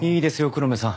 黒目さん